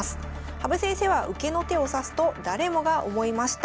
羽生先生は受けの手を指すと誰もが思いました。